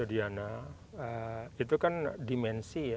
itu kan dimensi